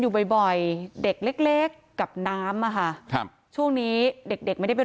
อยู่บ่อยเด็กเล็กกับน้ำอ่ะค่ะช่วงนี้เด็กไม่ได้ไป